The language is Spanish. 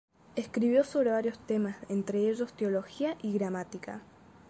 Escribió sobre varios temas entre ellos teología y gramática.